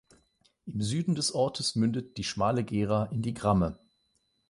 Im Süden des Ortes mündet die Schmale Gera in die Gramme.